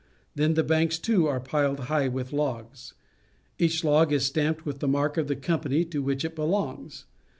Then the banks, too, are piled high with logs. Each log is stamped with the mark of the company to which it belongs.